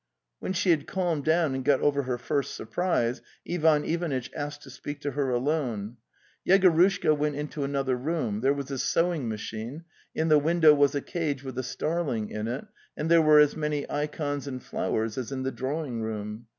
When she had calmed down and got over her first surprise Ivan Ivanitch asked to speak to her alone. Yegorushka went into another room; there was a sewing machine; in the window was a cage with a starling in it, and there were as many ikons and flowers as in the drawing room.